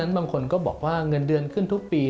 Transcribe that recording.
บางคนก็บอกว่าเงินเดือนขึ้นทุกปี